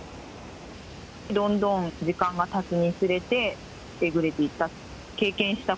どんどん時間がたつにつれて、えぐれていった。